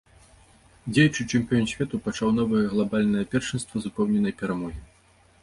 Дзеючы чэмпіён свету пачаў новае глабальнае першынства з упэўненай перамогі.